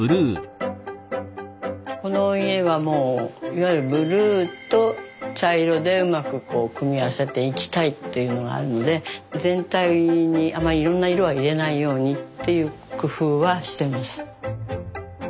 この家はもういわゆるブルーと茶色でうまく組み合わせていきたいっていうのがあるので全体にあんまりいろんな色は入れないようにっていう工夫はしてます。